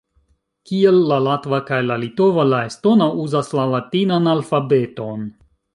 Kiel la latva kaj la litova, la estona uzas la latinan alfabeton.